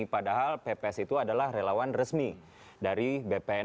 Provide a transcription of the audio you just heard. padahal pps itu adalah relawan resmi dari bpn